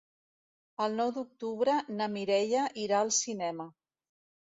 El nou d'octubre na Mireia irà al cinema.